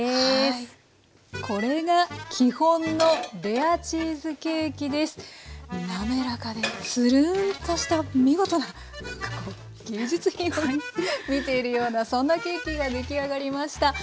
これが滑らかでツルンとした見事な芸術品を見ているようなそんなケーキが出来上がりました。